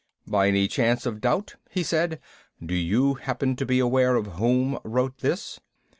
"By any chance of doubt," he said, "do you happen to be aware of whom wrote this?"